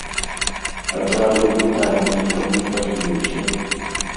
Адразу пытанне, чаму спазніўся?